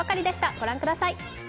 御覧ください。